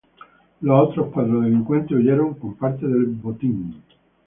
Los otros cuatro delincuentes huyeron con parte del motín.